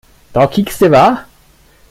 Da kiekste wa?